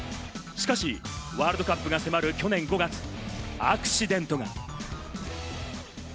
しかし、ワールドカップが迫る去年５月、アクシデントが。